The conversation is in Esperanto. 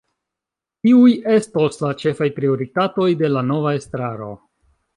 Kiuj estos la ĉefaj prioritatoj de la nova estraro?